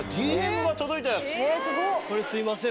これすいません